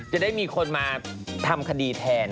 จะได้มีคนมาทำคดีแทน